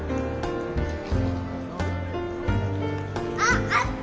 あっあった！